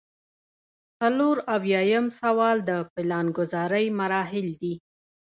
څلور اویایم سوال د پلانګذارۍ مراحل دي.